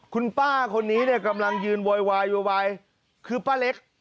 คุณป้าคนนี้กำลังยืนโวยวายคือป้าเล็ก